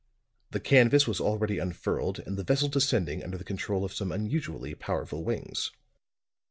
The canvas was already unfurled and the vessel descending under the control of some unusually powerful wings.